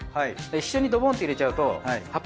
一緒にドボンって入れちゃうと葉っぱ